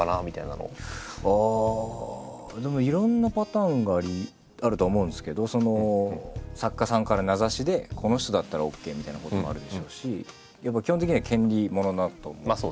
ああでもいろんなパターンがあるとは思うんですけど作家さんから名指しでこの人だったらＯＫみたいなこともあるでしょうしやっぱ基本的には権利ものだと思うんで。